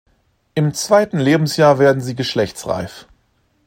Im zweiten Lebensjahr werden sie geschlechtsreif.